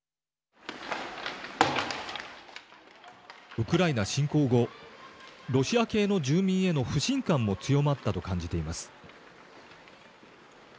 ウクライナ侵攻後ロシア系の住民への不信感も強まったと感じています。